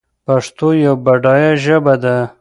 پښتو یوه بډایه ژبه ده